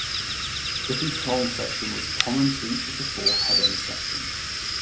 The control section was common to each of the four head-end sections.